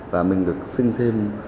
và mình được sinh thêm